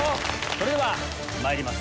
それではまいります